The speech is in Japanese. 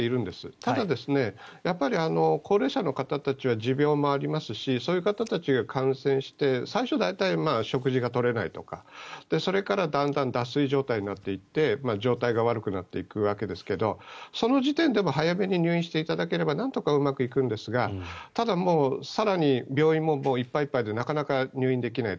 ただ、やっぱり高齢者の方たちは持病もありますしそういう方たちが感染して最初、大体食事が取れないとかそれからだんだん脱水状態になっていって状態が悪くなっていくわけですがその時点で早めに入院していただければなんとかうまくいくんですがただ、更に病院もいっぱいいっぱいでなかなか入院できないと。